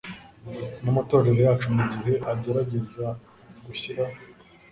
namatorero yacu mu gihe agerageza gushyira